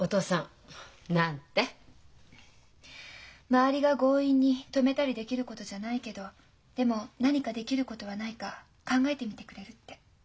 周りが強引に止めたりできることじゃないけどでも何かできることはないか考えてみてくれるって。